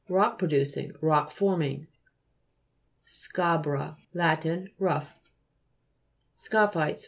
Rock producing ; rock forming. SCA'BRA Lat. Rough. SCAPIII'TES fr.